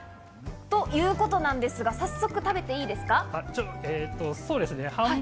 ということなんですが早速、食べていいですか？